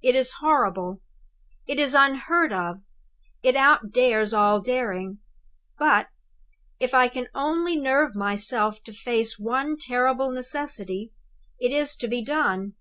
It is horrible, it is unheard of, it outdares all daring; but, if I can only nerve myself to face one terrible necessity, it is to be done.